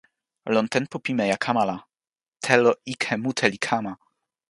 lon tenpo pimeja kama la, telo ike mute li kama!